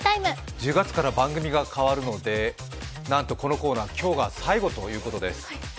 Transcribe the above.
１０月から番組が変わるので、なんとこのコーナー、今日が最後ということです。